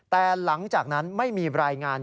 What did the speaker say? แต่หลังจากนั้นไม่มีรายงาน